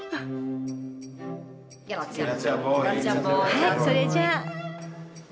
はいそれじゃあ。